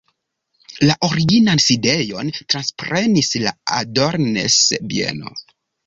La originan sidejon transprenis la Adornes-bieno.